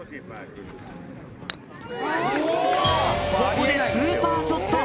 ここでスーパーショット。